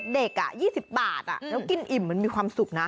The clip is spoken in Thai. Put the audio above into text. ๒๐บาทแล้วกินอิ่มมันมีความสุขนะ